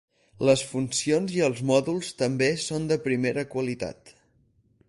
Les funcions i els mòduls també són de primera qualitat.